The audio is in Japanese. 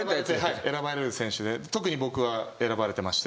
はい選ばれる選手で特に僕は選ばれてまして。